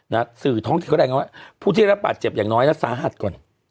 นะฮะสืบท้องที่เขาแหล่งว่าผู้ที่ได้รับปัดเจ็บอย่างน้อยแล้วสาหัสก่อน